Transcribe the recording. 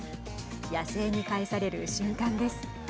野生に返される瞬間です。